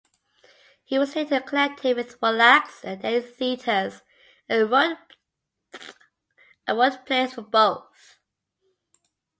He was later connected with Wallack's and Daly's theatres, and wrote plays for both.